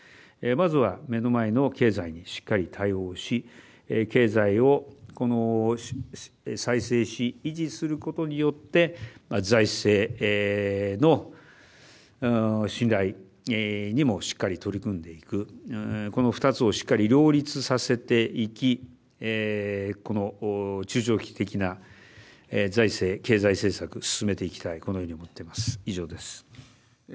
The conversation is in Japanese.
まずは、目の前の経済にしっかり対応し経済を再生し維持することによって財政の信頼にもしっかり取り組んでいくこの２つをしっかり両立させていきこの中長期的な財政、経済政策進めていきたいこのように思っています。